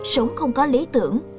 sống không có lý tưởng